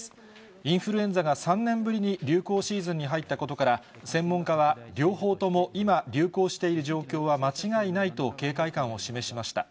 インフルエンザが３年ぶりに流行シーズンに入ったことから、専門家は、両方とも今、流行している状況は間違いないと警戒感を示しました。